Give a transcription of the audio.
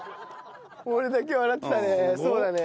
俺だけ笑ってたね。